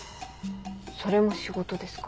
それも仕事ですか？